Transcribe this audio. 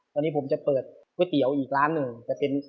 ตอนนี้ผมจะเปิดก๋วยเตี๋ยวอีกร้านหนึ่งจะเป็น